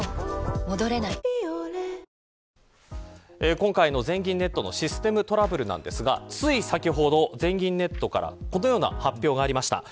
今回の全銀ネットのシステムトラブルですがつい先ほど、全銀ネットからこのような発表がありました。